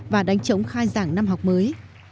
và đánh chống khai giảng năm học mới